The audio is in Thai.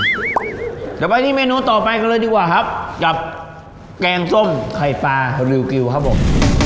เดี๋ยวไปที่เมนูต่อไปกันเลยดีกว่าครับกับแกงส้มไข่ปลาริวกิวครับผม